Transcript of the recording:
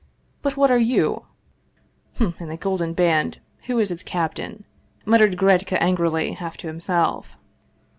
But what are you ?" "Hm! And the Golden Band? Who is its captain?" muttered Gretcka angrily, half to himself.